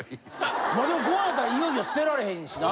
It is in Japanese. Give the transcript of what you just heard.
もうでもこうなったらいよいよ捨てられへんしな。